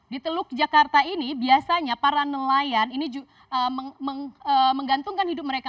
di teluk jakarta ini biasanya para nelayan ini menggantungkan hidup mereka